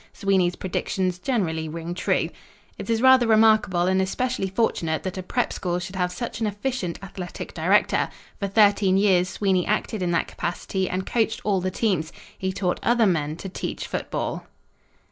Sweeney's predictions generally ring true. It is rather remarkable, and especially fortunate that a prep. school should have such an efficient athletic director. For thirteen years Sweeney acted in that capacity and coached all the teams. He taught other men to teach football.